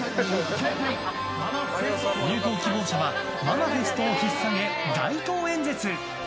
入党希望者はママフェストを引っさげ街頭演説。